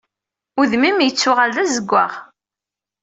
Udem-im yettuɣal d azeggaɣ.